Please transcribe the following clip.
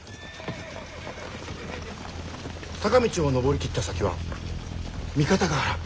坂道を上り切った先は三方ヶ原。